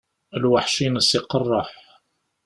Lweḥc-ines iqerreḥ.